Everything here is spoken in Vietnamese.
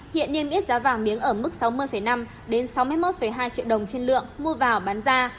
hiện niêm yết giá vàng miếng ở mức sáu mươi năm đến sáu mươi một hai triệu đồng trên lượng mua vào bán ra